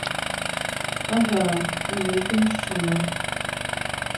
Ага, і нейкі мужчына.